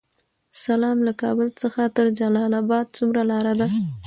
سلام، له کابل څخه تر جلال اباد څومره لاره ده؟